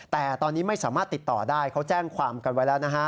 แต่ตอนนี้ไม่สามารถติดต่อได้เขาแจ้งความกันไว้แล้วนะฮะ